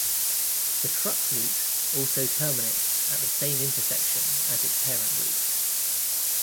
The truck route also terminates at the same intersection as its parent route.